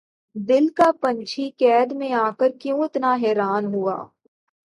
دل کا پنچھی قید میں آ کر کیوں اتنا حیران ہوا